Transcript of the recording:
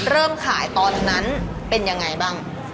เริ่มขายตอนนั้นเป็นยังไงบ้าง